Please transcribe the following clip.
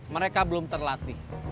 mereka belum terlatih